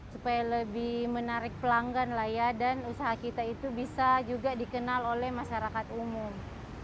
supaya lebih menarik pelanggan lah ya dan usaha kita itu bisa juga dikenal oleh masyarakat umum